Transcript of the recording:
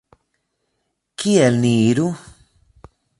Kiel ni iru?